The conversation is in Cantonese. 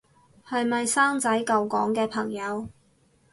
係咪生仔救港嘅朋友